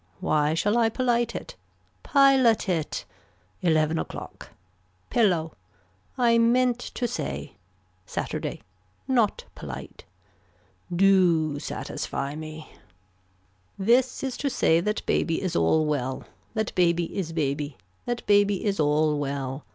Why shall I polite it. Pilot it. Eleven o'clock. Pillow. I meant to say. Saturday. Not polite. Do satisfy me. This is to say that baby is all well. That baby is baby. That baby is all well.